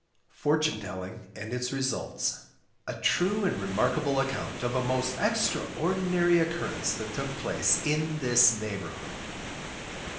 FORTUNE TELLING AND ITS RESULTS. A True and Remarkable Account of a most Extraordinary Occurrence that took place IN THIS NEIGHBOURHOOD.